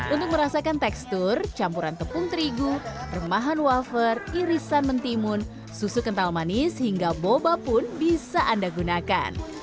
untuk merasakan tekstur campuran tepung terigu remahan walfer irisan mentimun susu kental manis hingga boba pun bisa anda gunakan